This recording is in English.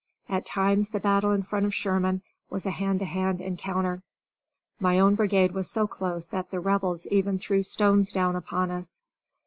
At times the battle in front of Sherman was a hand to hand encounter. My own brigade was so close that the Rebels even threw stones down upon us.